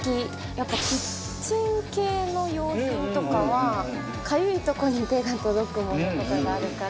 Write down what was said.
やっぱキッチン系の用品とかはかゆいとこに手が届くものとかがあるから。